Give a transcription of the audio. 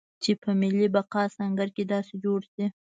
چې په ملي بقا سنګر کې داسې جوړ شي.